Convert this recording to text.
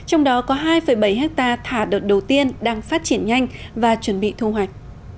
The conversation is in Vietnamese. trong đó có hai bảy hectare thả đợt đầu tiên đang phát triển nhanh và chuẩn bị thu hoạch